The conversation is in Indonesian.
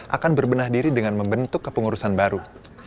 akan berbenah diri dengan membentuk kepengurusan baru